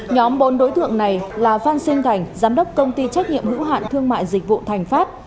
nhóm bốn đối tượng này là phan sinh thành giám đốc công ty trách nhiệm hữu hạn thương mại dịch vụ thành pháp